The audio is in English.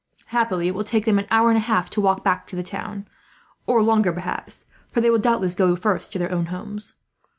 Happily it will take them an hour and a half to walk back to the town; or longer, perhaps, for they will doubtless go first to their own homes.